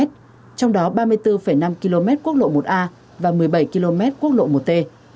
trong đó ba mươi bốn năm km quốc lộ một a và một mươi bảy km quốc lộ một t